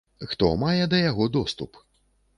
Хто мае да яго доступ?